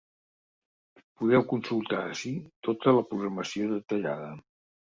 Podeu consultar ací tota la programació detallada.